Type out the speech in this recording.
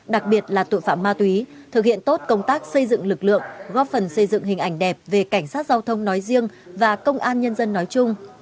đặc biệt là tội phạm ma túy thực hiện tốt công tác xây dựng lực lượng góp phần xây dựng hình ảnh đẹp về cảnh sát giao thông nói riêng và công an nhân dân nói chung